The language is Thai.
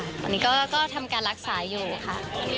ตอนนี้ก็ทำการรักษาอยู่ค่ะ